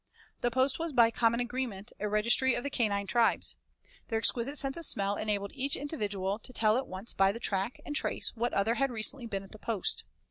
The post was by common agreement a registry of the canine tribes. Their exquisite sense of smell enabled each individual to tell at once by the track and trace what other had recently been at the post.